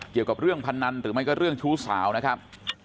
เกี่ยวกับเรื่องพนันหรือไม่ก็เรื่องชู้สาวนะครับ